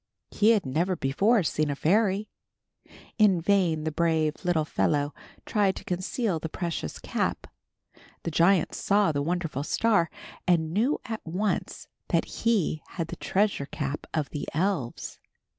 He had never before seen a fairy. In vain the brave little fellow tried to conceal the precious cap. The giant saw the wonderful star and knew at once that he had the treasure cap of the elves.